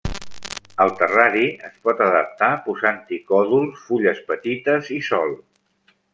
El terrari es pot adaptar posant-hi còdols, fulles petites i sòl.